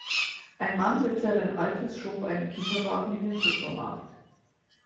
Ein Mann mittleren Alters schob einen Kinderwagen in den Supermarkt.